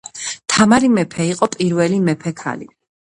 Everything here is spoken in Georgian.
თამარი მეფე, იყო პირველი მეფე ქალი